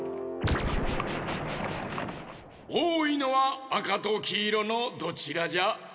おおいのはあかときいろのどちらじゃ？